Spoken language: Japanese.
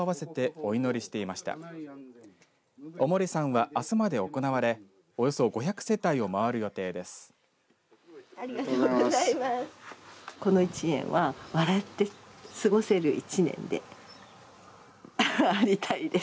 お守りさんは、あすまで行われおよそ５００世帯を回る予定です。